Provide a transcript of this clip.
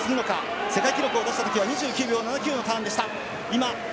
世界記録を出したときは２９秒７９のターンでした。